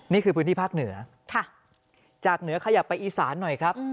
นี่คือพื้นที่ภาคเหนือจากเหนือขยับไปอีสานหน่อยครับ